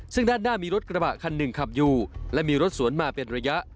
ซึ่งแหน้ามีรถกระบะเขาอันนึงขับอยู่และมีรถสวนมาอีกเป็นระยะ